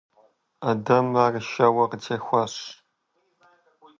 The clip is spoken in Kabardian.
Адэм ар шэуэ къытехуащ.